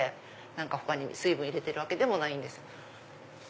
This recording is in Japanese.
何か他に水分入れてるわけでもないんです。